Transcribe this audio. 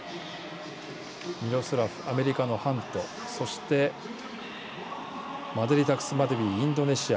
ミロスラフ、アメリカのハントそして、マデリタクスマデウィインドネシア。